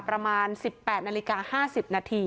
ประมาณ๑๘นาฬิกา๕๐นาที